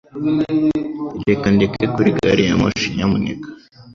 Reka ndeke kuri gari ya moshi, nyamuneka.